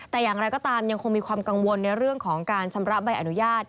แต่อย่างไรก็ตามยังคงมีความกังวลในเรื่องของการชำระใบอนุญาต